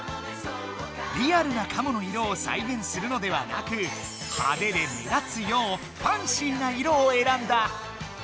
リアルなかもの色をさいげんするのではなく派手で目立つようファンシーな色をえらんだ！